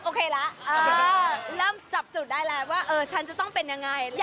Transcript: เริ่มโอเคล่ะเริ่มจับจุดได้แหละว่าเออฉันจะต้องเป็นอย่างไร